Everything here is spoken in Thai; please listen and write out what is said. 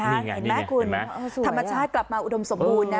เห็นไหมคุณธรรมชาติกลับมาอุดมสมบูรณ์นะ